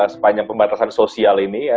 sepanjang pembatasan sosial ini